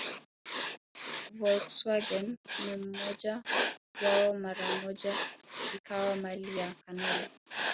Volkswagen ya mmoja wao mara moja ikawa mali ya kanali